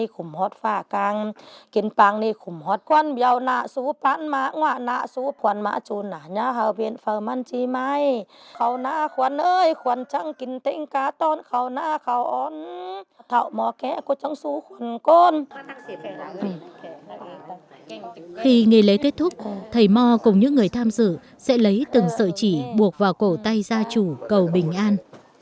khi lễ kết thúc thầy mò cùng những người tham dự sẽ lấy từng sợi chỉ buộc vào cổ tay gia chủ cầu bình an